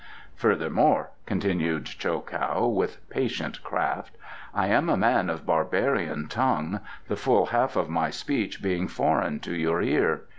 "Furthermore," continued Cho kow, with patient craft, "I am a man of barbarian tongue, the full half of my speech being foreign to your ear.